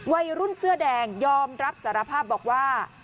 วัยรุ่นเสื้อแดงยอมรับสารภาพบอกว่า